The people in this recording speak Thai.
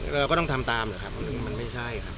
เราก็ต้องทำตามหรือครับมันไม่ใช่ครับ